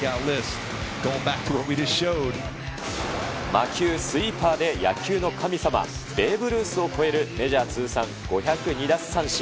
魔球、スイーパーで野球の神様、ベーブ・ルースを超える、メジャー通算５０２奪三振。